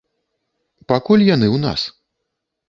Пакуль яны ў нас.